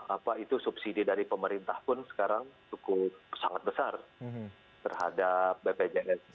apa itu subsidi dari pemerintah pun sekarang cukup sangat besar terhadap bpjs